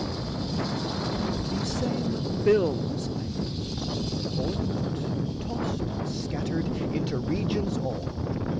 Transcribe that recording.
Now these same films I name are borne about And tossed and scattered into regions all.